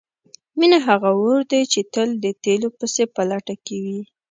مینه هغه اور دی چې تل د تیلو پسې په لټه کې وي.